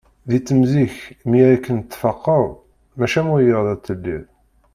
Di temẓi-k mi akken tfaqeḍ, mačči am wiyaḍ ay telliḍ.